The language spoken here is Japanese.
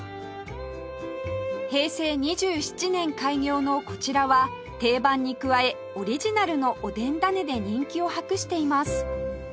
平成２７年開業のこちらは定番に加えオリジナルのおでん種で人気を博しています